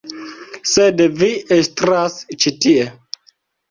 Sed Vi estras ĉi tie.